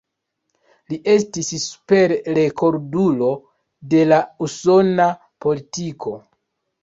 Li estis "Super-rekordulo" de la usona politiko.